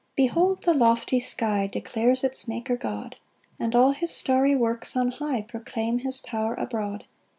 1 Behold the lofty sky Declares its maker God, And all his starry works on high Proclaim his power abroad.